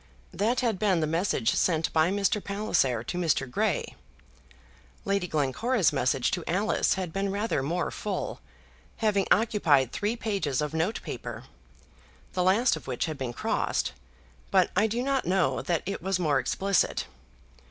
That had been the message sent by Mr. Palliser to Mr. Grey. Lady Glencora's message to Alice had been rather more full, having occupied three pages of note paper, the last of which had been crossed, but I do not know that it was more explicit.